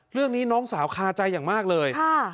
เรื่องนี้น้องสาวคาใจอย่างมากเลย